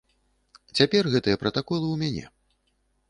Цяпер гэтыя пратаколы ў мяне.